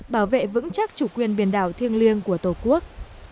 bảo vệ vững chắc chủ quyền biển đảo thiêng liêng của tổ quốc